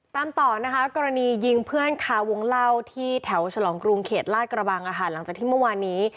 ตามต่อนะคะกรณียิงเพื่อนคาวงเล่าที่แถวฉลองกรุงเขตลาดกระบังหลังจากที่เมื่อวานนี้